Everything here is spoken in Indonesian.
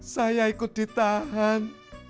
saya ikut ditahan